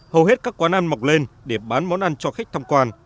hầu hết các quán ăn mọc lên để bán món ăn cho khách tham quan